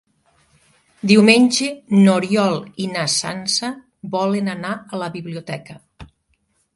Diumenge n'Oriol i na Sança volen anar a la biblioteca.